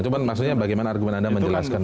cuman maksudnya bagaimana argumen anda menjelaskan itu